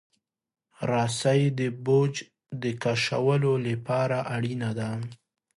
رسۍ د بوج د کشولو لپاره اړینه ده.